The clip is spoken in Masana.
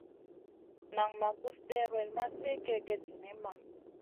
Nan ma gus ɗewrel ma sli kègèd zinimma.